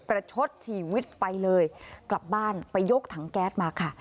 ชดชีวิตไปเลยกลับบ้านไปยกถังแก๊สมาค่ะ